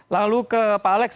lalu ke pak alex